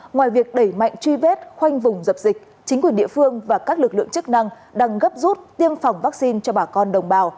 ngoài việc đẩy mạnh truy vết khoanh vùng dập dịch chính quyền địa phương và các lực lượng chức năng đang gấp rút tiêm phòng vaccine cho bà con đồng bào